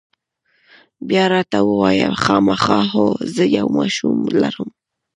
یا، راته ووایه، خامخا؟ هو، زه یو ماشوم لرم.